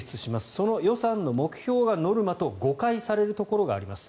その予算の目標がノルマと誤解されるところがあります